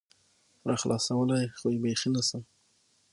راخلاصولى خو يې بيخي نشم